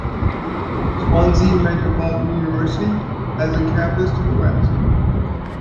Swansea Metropolitan University has a campus to the west.